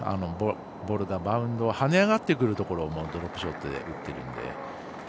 ボールがバウンド跳ね上がってくるところをドロップショットで打ってるので。